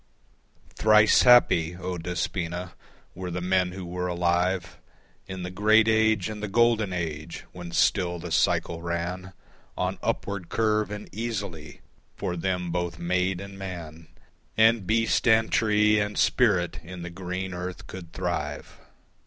Thrice happy, O Despoina, were the men who were alive In the great age and the golden age when still the cycle ran On upward curve and easily, for them both maid and man And beast and tree and spirit in the green earth could thrive.